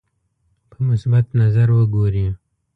په مثبت نظر وګوري.